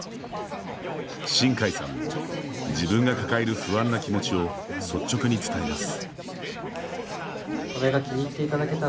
新海さんも、自分が抱える不安な気持ちを率直に伝えます。